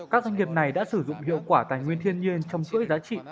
các doanh nghiệp này đã sử dụng hiệu quả tài nguyên thiên nhiên trong chuỗi giá trị